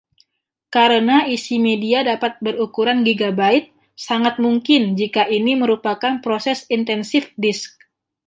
Karena isi media dapat berukuran gigabyte, sangat mungkin jika ini merupakan proses intensif disk.